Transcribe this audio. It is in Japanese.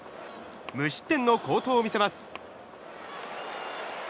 無失点の好投を見せます。